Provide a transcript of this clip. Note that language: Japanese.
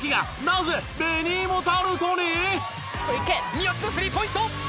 三好のスリーポイント！